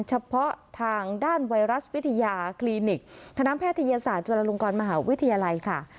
เฉพาะทางด้านไวรัสวิทยาคลินิกคณะแพทยศาสตร์จุฬลงกรมหาวิทยาลัยค่ะ